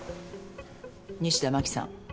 西田真紀さん。